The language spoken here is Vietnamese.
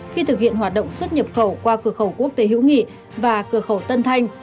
khi thực hiện hoạt động xuất nhập khẩu qua cửa khẩu quốc tế hữu nghị và cửa khẩu tân thanh